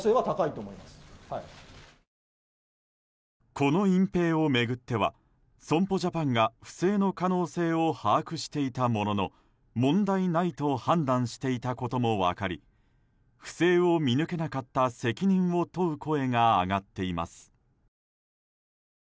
この隠蔽を巡っては損保ジャパンが不正の可能性を把握していたものの問題ないと判断していたことも分かり不正を見抜けなかった責任を問う声が上がっています。